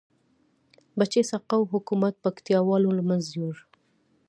بچه سقاو حکومت پکتيا والو لمنځه یوړ